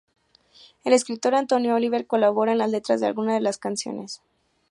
El escritor Antonio Oliver colabora en las letras de alguna de las canciones.